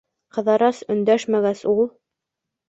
Ҡыҙырас өндәшмәгәс, ул: